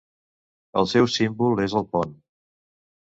El seu símbol és el pont.